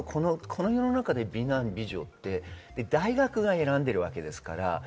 今のこの世の中で美男・美女って大学が選んでるわけですから。